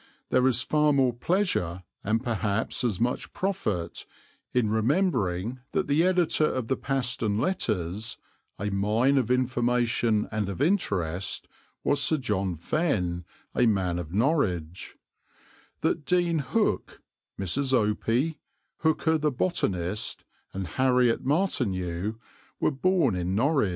There is far more pleasure, and perhaps as much profit, in remembering that the editor of the Paston Letters, a mine of information and of interest, was Sir John Fenn, a man of Norwich; that Dean Hook, Mrs. Opie, Hooker the botanist, and Harriet Martineau were born in Norwich.